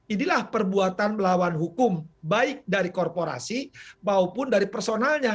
inilah perbuatan melawan hukum baik dari korporasi maupun dari personalnya